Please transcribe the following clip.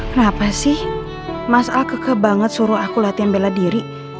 kenapa sih mas al keke banget suruh aku latihan bela diri